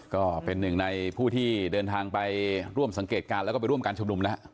ก็เป็นหนึ่งในผู้ที่เดินทางไปร่วมสังเกตการณ์แล้วก็ไปร่วมการชุมนุมแล้ว